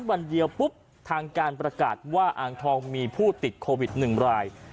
วันเดียวปุ๊บทางการประกาศว่าอ่างทองมีผู้ติดโควิด๑ราย